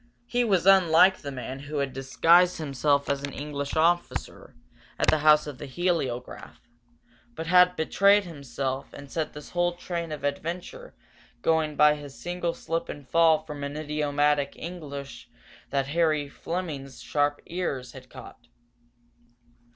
He was unlike the man who had disguised himself as an English officer, at the house of the heliograph, but had betrayed himself and set this whole train of adventure going by his single slip and fall from idiomatic English that Harry Fleming's sharp ears had caught.